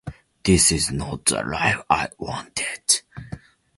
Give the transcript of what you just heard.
This is not the life I wanted.